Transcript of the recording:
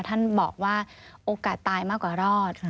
ท่านบอกว่าโอกาสตายมากกว่ารอด